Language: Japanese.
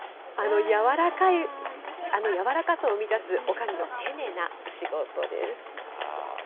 あの柔らかさを生み出す、おかみの丁寧な仕事です。